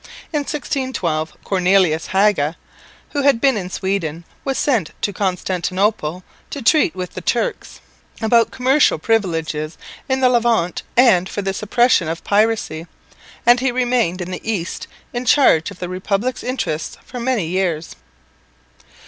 In 1612 Cornelis Haga, who had been in Sweden, was sent to Constantinople to treat with the Turks about commercial privileges in the Levant and for the suppression of piracy, and he remained in the East in charge of the republic's interests for many years.